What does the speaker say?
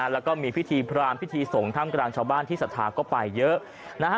แล้วก็มีพิธีพรามพิธีสงฆ์ถ้ำกลางชาวบ้านที่สัทธาก็ไปเยอะนะฮะ